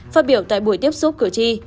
phát biểu tại buổi tiếp xúc cửa chi